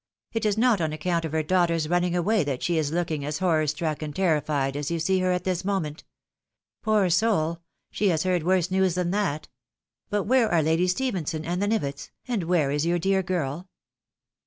It is not on account of her daughter's running away that she is looking as horror struck and terrified as you see her at this moment. Poor soul 1 she has heard worse news than that ! But where are Lady Ste phenson and the Nivetts, and where is your dear gifl